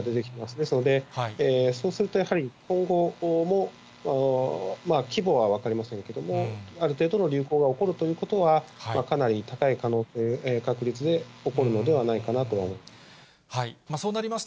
ですので、そうするとやはり今後も、規模は分かりませんけれども、ある程度の流行が起こるということは、かなり高い可能性、確率で起こるのではないかなと思っています。